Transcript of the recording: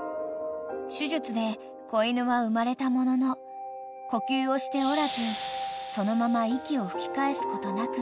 ［手術で子犬は産まれたものの呼吸をしておらずそのまま息を吹き返すことなく］